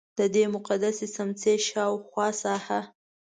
ددې مقدسې څمڅې شاوخوا ساحه.